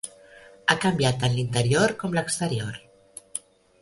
Ha canviat tant l'interior com l'exterior.